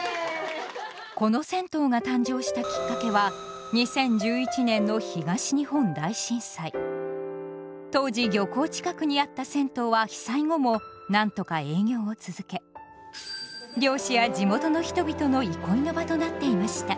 この銭湯が誕生したきっかけは当時漁港近くにあった銭湯は被災後もなんとか営業を続け漁師や地元の人々の憩いの場となっていました。